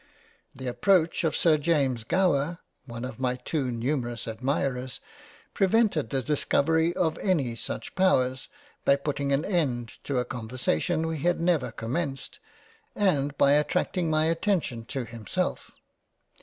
The approach of Sir James Gower (one of my too numerous admirers) prevented the Discovery of any such Powers, by putting an end to a Con versation we had never commenced, and by attracting my attention to himself.